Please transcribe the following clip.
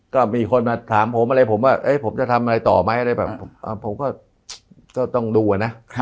ก็มีคนมาถามผมอะไรผมว่าผมจะทำอะไรต่อไหมอะไรแบบผมก็ต้องดูอะนะ